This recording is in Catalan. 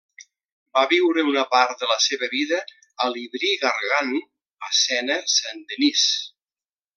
Va viure una part de la seva vida a Livry-Gargan, a Sena Saint-Denis.